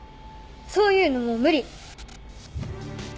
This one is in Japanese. そういうのもう無理。